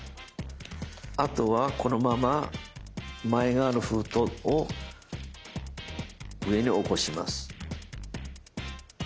あとはこのまま前側の封筒を上に起こします。